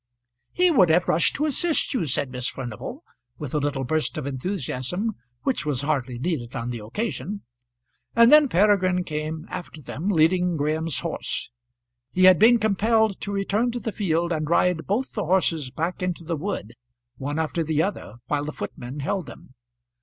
"He would have rushed to assist you," said Miss Furnival, with a little burst of enthusiasm which was hardly needed on the occasion. And then Peregrine came after them leading Graham's horse. He had been compelled to return to the field and ride both the horses back into the wood; one after the other, while the footman held them.